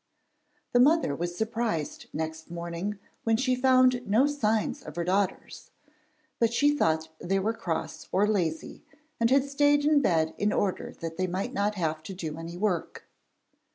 The mother was surprised next morning when she found no signs of her daughters, but she thought they were cross or lazy, and had stayed in bed in order that they might not have to do any work.